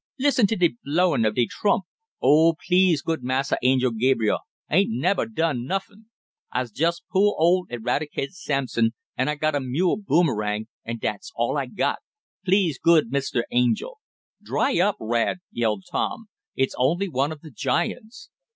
Listen to de blowin' ob de trump! Oh, please good Massa Angel Gabriel, I ain't nebber done nuffin! I's jest po' ol' Eradicate Sampson, an' I got a mule Boomerang, and' dat's all I got. Please good Mr. Angel " "Dry up, Rad!" yelled Tom. "It's only one of the giants.